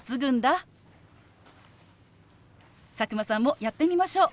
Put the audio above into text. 佐久間さんもやってみましょう。